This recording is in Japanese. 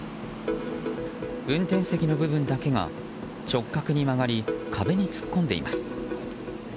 運転席の部分だけが直角に曲がり壁に突っ込んでいます。